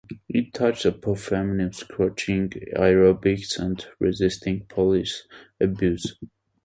It touches upon feminism, crocheting, aerobics and resisting police abuse.